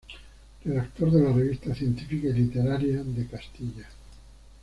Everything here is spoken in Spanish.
Redactor de la "Revista científica y literaria de Castilla".